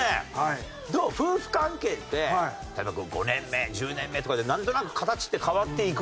夫婦関係って例えば５年目１０年目とかでなんとなく形って変わっていくもの？